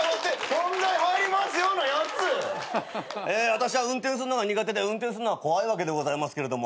私は運転するのが苦手で運転すんのは怖いわけでございますけれども。